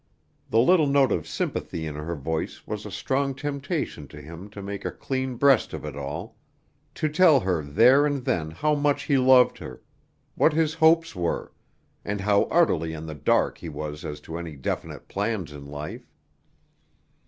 The little note of sympathy in her voice was a strong temptation to him to make a clean breast of it all; to tell her there and then how much he loved her; what his hopes were, and how utterly in the dark he was as to any definite plans in life.